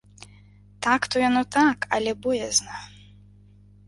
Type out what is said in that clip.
Так то яно так, але боязна.